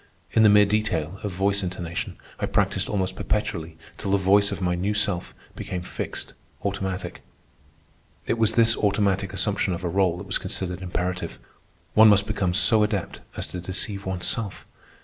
In the mere detail of voice intonation I practised almost perpetually till the voice of my new self became fixed, automatic. It was this automatic assumption of a rôle that was considered imperative. One must become so adept as to deceive oneself.